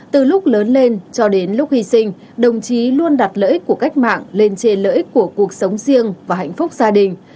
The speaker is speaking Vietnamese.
từ lúc lớn lên cho đến lúc hy sinh đồng chí luôn đặt lợi ích của cách mạng lên trên lợi ích của cuộc sống riêng và hạnh phúc gia đình